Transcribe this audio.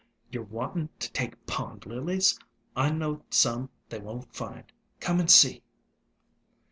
Ye 're wanting to take Pond Lilies? I know some they won't find. Come and see!"